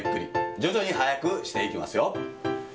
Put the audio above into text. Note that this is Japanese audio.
徐々に速くしていきますよ。